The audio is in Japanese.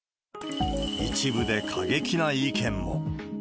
一部で過激な意見も。